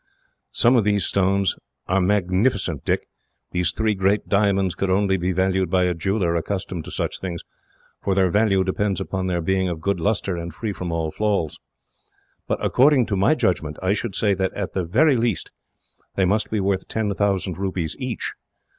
"Some of these stones are magnificent, Dick. Those three great diamonds could only be valued by a jeweller accustomed to such things, for their value depends upon their being of good lustre, and free from all flaws; but, according to my judgment, I should say that, at the very least, they must be worth ten thousand rupees each.